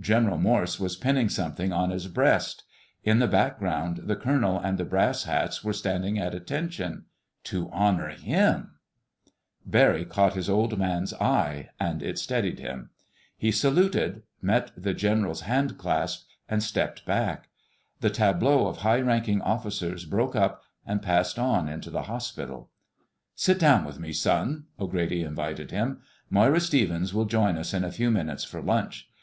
General Morse was pinning something on his breast. In the background the colonel and the brass hats were standing at attention—to honor him. Barry caught his Old Man's eye, and it steadied him. He saluted, met the general's handclasp, and stepped back. The tableau of high ranking officers broke up and passed on into the hospital. "Sit down with me, son," O'Grady invited him. "Moira Stevens will join us in a few minutes for lunch.